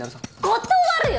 断るよ！